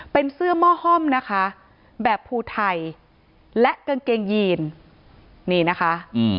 เป็นเสื้อหม้อห้อมนะคะแบบภูไทยและกางเกงยีนนี่นะคะ